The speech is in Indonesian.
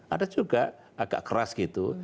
ada juga agak keras gitu